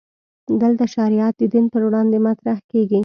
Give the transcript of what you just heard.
دلته شریعت د دین پر وړاندې مطرح کېږي.